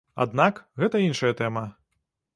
Аднак, гэта іншая тэма.